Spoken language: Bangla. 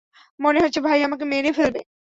মনে হচ্ছে ভাই আমাকে মেরে ফেলবে।